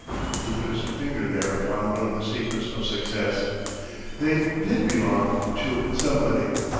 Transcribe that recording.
He put his finger there upon one of the secrets of success. They did belong to somebody.